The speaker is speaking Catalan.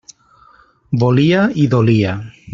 Volia i dolia.